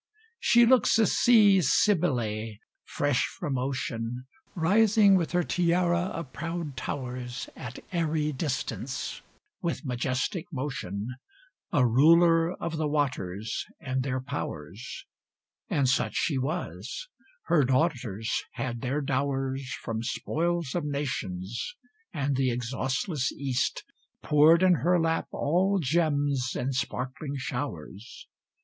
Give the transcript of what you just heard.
She looks a sea Cybele, fresh from ocean, Rising with her tiara of proud towers At airy distance, with majestic motion, A ruler of the waters and their powers: And such she was; her daughters had their dowers From spoils of nations, and the exhaustless East Poured in her lap all gems in sparkling showers.